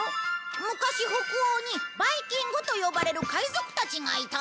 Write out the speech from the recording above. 昔北欧にバイキングと呼ばれる海賊たちがいたんだ。